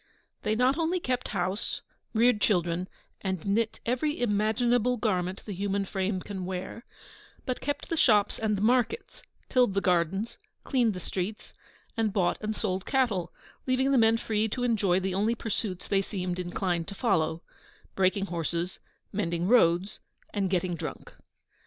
They not only kept house, reared children, and knit every imaginable garment the human frame can wear, but kept the shops and the markets, tilled the gardens, cleaned the streets, and bought and sold cattle, leaving the men free to enjoy the only pursuits they seemed inclined to follow breaking horses, mending roads, and getting drunk.